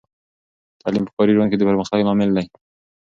تعلیم په کاري ژوند کې د پرمختګ لامل دی.